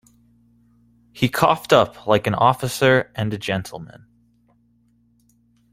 He coughed up like an officer and a gentleman.